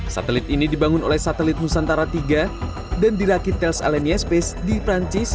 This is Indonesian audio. satelit ini dibangun oleh satelit nusantara tiga dan dirakit tels alenia space di perancis